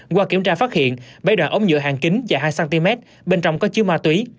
qua kiểm tra phát hiện bấy đoàn ống nhựa hàng kính và hai cm bên trong có chiếc ma túy